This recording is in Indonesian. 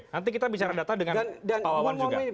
nanti kita bicara data dengan pawawan juga